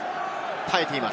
耐えています。